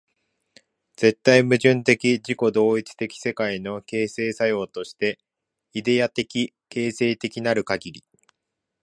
絶対矛盾的自己同一的世界の形成作用として、イデヤ的形成的なるかぎり、